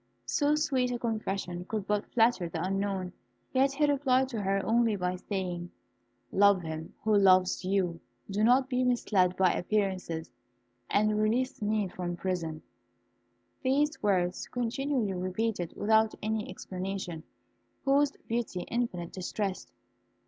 So sweet a confession could but flatter the unknown, yet he replied to her only by saying, "Love him who loves you. Do not be misled by appearances, and release me from prison." These words, continually repeated without any explanation, caused Beauty infinite distress.